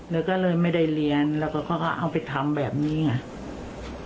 แล้วก็เลยไม่ได้เรียนแล้วก็เขาก็เอาไปทำแบบนี้ไง